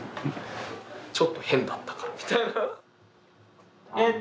ちょっと変だったからみたいな。